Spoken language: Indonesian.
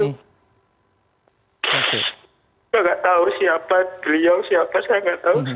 kita nggak tahu siapa beliau siapa saya nggak tahu